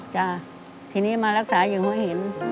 จ้ะทีนี้มารักษาอย่างหัวหิน